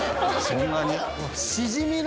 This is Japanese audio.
そんなに？